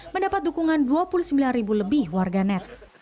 mendapat dukungan dua puluh sembilan ribu lebih warganet